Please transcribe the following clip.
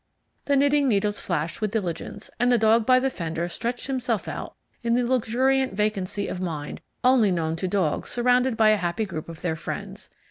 The knitting needles flashed with diligence, and the dog by the fender stretched himself out in the luxuriant vacancy of mind only known to dogs surrounded by a happy group of their friends.